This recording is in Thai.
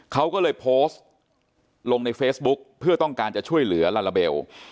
เขาก็เลยโพสต์ลงในเฟซบุ๊คเพื่อต้องการจะช่วยเหลือลาลาเบล